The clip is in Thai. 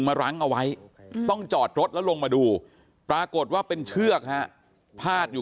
รั้งเอาไว้ต้องจอดรถแล้วลงมาดูปรากฏว่าเป็นเชือกฮะพาดอยู่